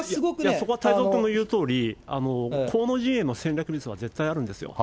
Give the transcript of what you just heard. そこは太蔵君の言うとおり、河野陣営の戦略ミスは絶対あるんですよ。